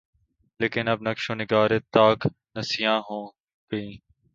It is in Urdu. لیکن اب نقش و نگارِ طاق نسیاں ہو گئیں